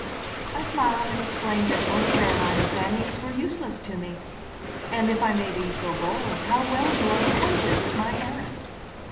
I smiled and explained that North Carolina Fannings were useless to me. "And, if I may be so bold, how well you are acquainted with my errand!"